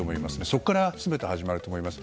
そこから全て始まると思います。